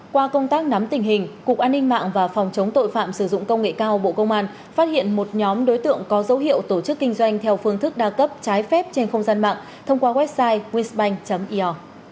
qua công tác nắm tình hình cục an ninh mạng và phòng chống tội phạm sử dụng công nghệ cao bộ công an phát hiện một nhóm đối tượng có dấu hiệu tổ chức kinh doanh theo phương thức đa cấp trái phép trên không gian mạng thông qua website winsbank or